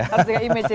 harus jaga image ya